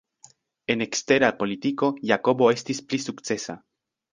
En ekstera politiko, Jakobo estis pli sukcesa.